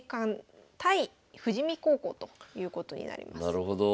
なるほど。